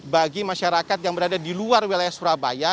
bagi masyarakat yang berada di luar wilayah surabaya